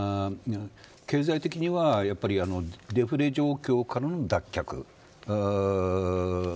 経済的には、やっぱりデフレ状況からの脱却。